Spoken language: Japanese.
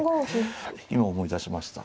今思い出しました。